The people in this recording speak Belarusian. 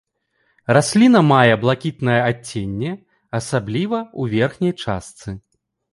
Расліна мае блакітнае адценне, асабліва ў верхняй частцы.